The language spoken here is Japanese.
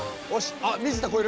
あ水田こえる。